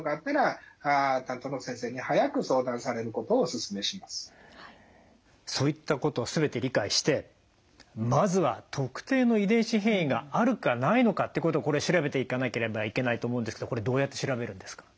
その一つがそういったことを全て理解してまずは特定の遺伝子変異があるかないのかってことをこれ調べていかなければいけないと思うんですけどこれどうやって調べるんですか？